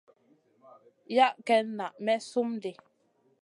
Yah ken na may slum di.